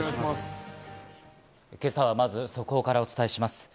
今朝はまず、速報からお伝えします。